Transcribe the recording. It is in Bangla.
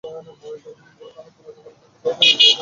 তার আত্মমর্যাদাবোধ তাকে পাপপঙ্কিলতার পথে নিয়ে গেল।